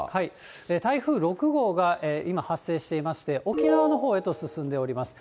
台風６号が今、発生していまして、沖縄のほうへと進んでおります。